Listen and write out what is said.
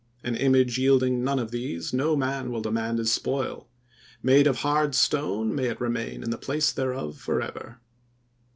An image yielding none of these no man will demand as spoil; made of hard stone may it remain in the place thereof, forever."